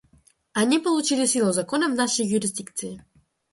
Они получили силу закона в нашей юрисдикции.